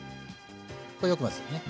これよく混ぜてね。